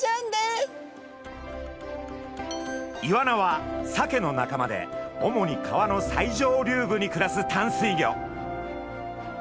イワナはサケの仲間で主に川の最上流部に暮らす淡水魚。